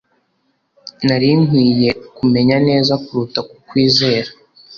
Nari nkwiye kumenya neza kuruta kukwizera.